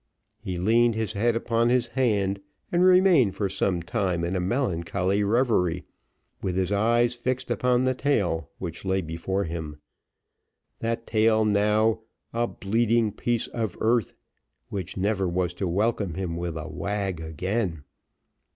He leaned his head upon his hand, and remained for some time in a melancholy reverie, with his eyes fixed upon the tail, which lay before him that tail, now a "bleeding piece of earth," which never was to welcome him with a wag again.